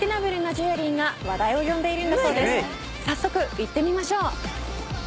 早速行ってみましょう。